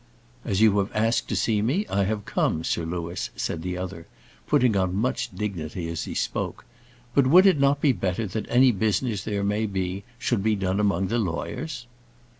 "As you have asked to see me, I have come, Sir Louis," said the other, putting on much dignity as he spoke. "But would it not be better that any business there may be should be done among the lawyers?"